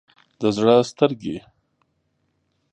د زړه سترګې